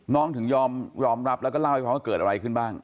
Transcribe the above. ถึงยอมรับแล้วก็เล่าให้ฟังว่าเกิดอะไรขึ้นบ้าง